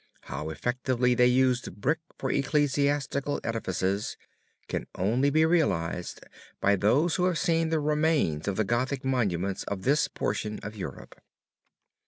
How effectively they used brick for ecclesiastical edifices can only be realized by those who have seen the remains of the Gothic monuments of this portion of Europe.